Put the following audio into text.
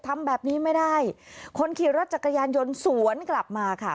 ทำแบบนี้ไม่ได้คนขี่รถจักรยานยนต์สวนกลับมาค่ะ